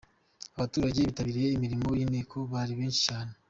Abaturage bitabiriye imirimo y’inteko bari benshi cyane.